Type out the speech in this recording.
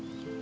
aku tau ran